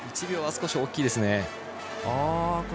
１秒は少し大きいですね。